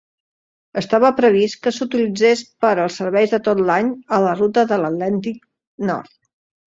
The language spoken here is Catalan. Estava previst que s'utilitzés per als serveis de tot l'any a la ruta de l'Atlàntic Nord.